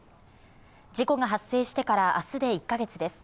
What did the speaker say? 事故が発生してから明日で１か月です。